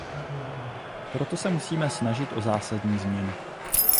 Proto se musíme snažit o zásadní změnu.